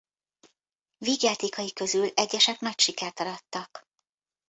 Vígjátékai közül egyesek nagy sikert arattak.